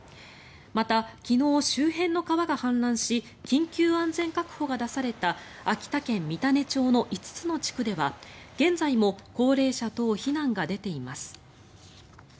また昨日、周辺の川が氾濫し緊急安全確保が出された秋田県三種町の５つの地区では現在も高齢者等避難が出ています。